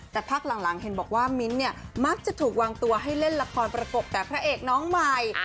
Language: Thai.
แต่พักหลังเห็นบอกว่ามิ้นท์เนี่ยมักจะถูกวางตัวให้เล่นละครประกบแต่พระเอกน้องใหม่